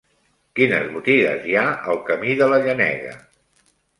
Quines botigues hi ha al camí de la Llenega?